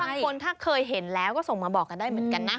บางคนถ้าเคยเห็นแล้วก็ส่งมาบอกกันได้เหมือนกันนะ